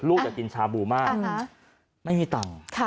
อยากกินชาบูมากไม่มีตังค์